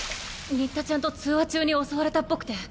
新田ちゃんと通話中に襲われたっぽくて。